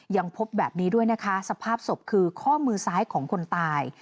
ยังพบแบบนี้ด้วยนะคะสภาพศพคือข้อมือซ้ายของคนตาย